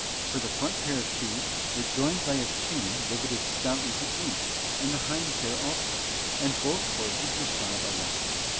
For the front pair of shoes were joined by a chain riveted stoutly to each, and the hind pair also; and both horses were shod alike.